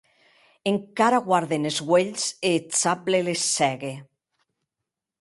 Encara guarden es uelhs, e eth sable les cègue.